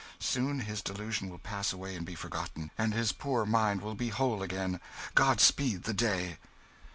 Soon his delusion will pass away and be forgotten, and his poor mind will be whole again. God speed the day!"